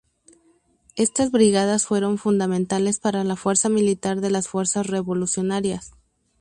Estas brigadas fueron fundamentales para la fuerza militar de las fuerzas revolucionarias.